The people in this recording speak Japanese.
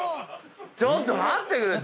ちょっと待ってくれ。